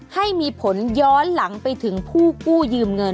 ให้มีผลย้อนหลังไปถึงผู้กู้ยืมเงิน